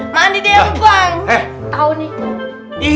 mandi di empang tahun itu